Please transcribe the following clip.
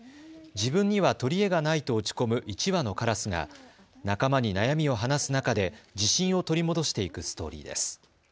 自分にはとりえがないと落ち込む１羽のからすが仲間に悩みを話す中で自信を取り戻していくストーリーです。